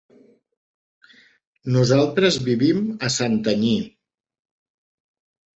Nosaltres vivim a Santanyí.